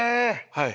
はい。